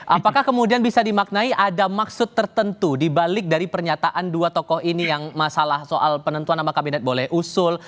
apakah kemudian bisa dimaknai ada maksud tertentu dibalik dari pernyataan dua tokoh ini yang masalah soal penentuan nama kabinet boleh usul